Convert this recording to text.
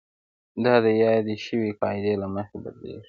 دا د یادې شوې قاعدې له مخې بدلیږي.